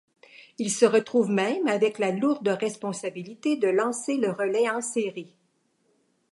Il se retrouve même avec la lourde responsabilité de lancer le relais en série.